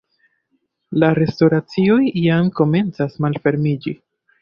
la restoracioj jam komencas malfermiĝi